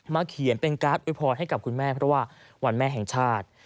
เขียนเป็นการ์ดอวยพรให้กับคุณแม่เพราะว่าวันแม่แห่งชาติ